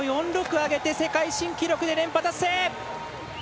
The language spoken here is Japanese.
上げて世界新記録で連覇達成！